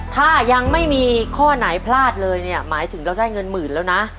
ถ้ายังไม่มีข้อไหนพลาดเลยเนี่ยหมายถึงเราได้เงินหมื่นแล้วนะ